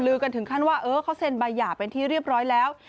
กันถึงขั้นว่าเออเขาเซ็นใบหย่าเป็นที่เรียบร้อยแล้ว